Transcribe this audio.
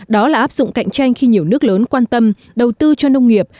đó là áp dụng cạnh tranh khi nhiều nước lớn quan tâm đầu tư cho nông nghiệp